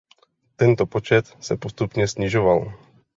Tento počet se postupně snižoval.